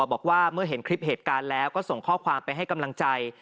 บอกว่าเมื่อเห็นคลิปเหตุการณ์แล้วก็ส่งข้อความไปให้กำลังใจ